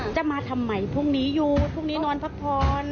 จะมาทำไมพรุ่งนี้อยู่พรุ่งนี้นอนพักผ่อน